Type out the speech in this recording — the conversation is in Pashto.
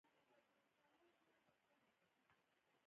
محاکات په اړه په پښتو کې معلومات کم دي او څېړنه ورته اړینه ده